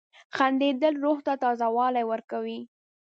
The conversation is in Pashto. • خندېدل روح ته تازه والی ورکوي.